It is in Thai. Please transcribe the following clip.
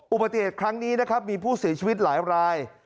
อุบัติเหตุครั้งนี้นะครับมีผู้เสียชีวิตหลายราย